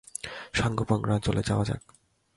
সাঙ্গপাঙ্গরা, চলো যাওয়া যাক।